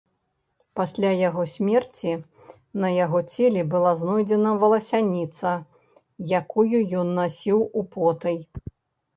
Пасля яго смерці на яго целе была знойдзена валасяніца, якую ён насіў употай.